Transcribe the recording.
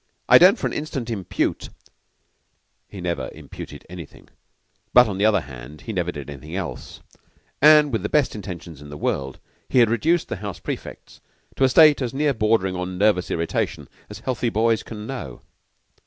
I don't for an instant impute " He never imputed anything; but, on the other hand, he never did anything else, and, with the best intentions in the world, he had reduced the house prefects to a state as nearly bordering on nervous irritation as healthy boys can know.